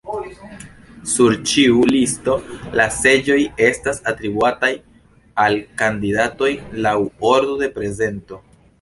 Sur ĉiu listo, la seĝoj estas atribuataj al kandidatoj laŭ ordo de prezento.